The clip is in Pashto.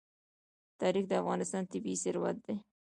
تاریخ د افغانستان طبعي ثروت دی.